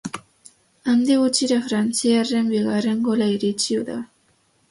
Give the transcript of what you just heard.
Handik gutxira, frantziarren bigarren gola iritsi da.